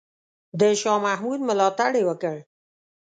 د شاه محمود ملاتړ یې وکړ.